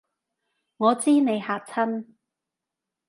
我知你嚇親